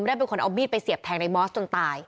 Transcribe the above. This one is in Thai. ได้เป็นคนเอามีดไปเสียบแทงในมอสจนตาย